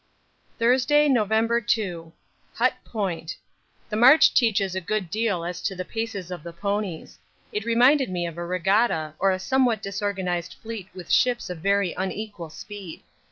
Thursday, November 2. Hut Point. The march teaches a good deal as to the paces of the ponies. It reminded me of a regatta or a somewhat disorganised fleet with ships of very unequal speed.